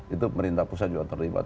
itu pemerintah pusat juga terlibat